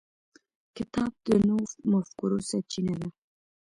کتاب د نوو مفکورو سرچینه ده.